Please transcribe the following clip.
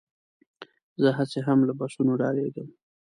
زه هسې هم له بسونو ډارېږم.